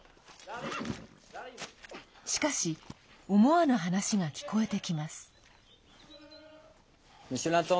しかし思わぬ話が聞こえてきます。